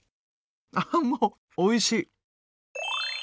ああもうおいしい！